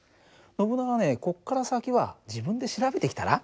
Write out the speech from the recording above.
ノブナガねこっから先は自分で調べてきたら？